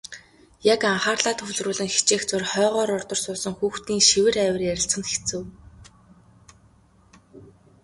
Яг анхаарлаа төвлөрүүлэн хичээх зуур хойгуур урдуур суусан хүүхдийн шивэр авир ярилцах нь хэцүү.